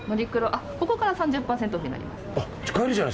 ここから３０％オフになります。